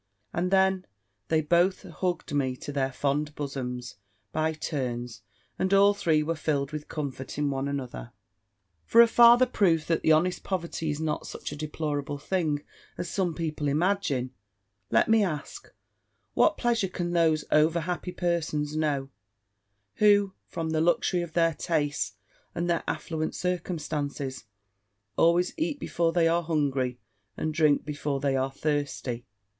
And then they both hugged me to their fond bosoms, by turns; and all three were filled with comfort in one another. For a farther proof that honest poverty is not such a deplorable thing as some people imagine, let me ask, what pleasure can those over happy persons know, who, from the luxury of their tastes, and their affluent circumstances, always eat before they are hungry, and drink before they are thirsty?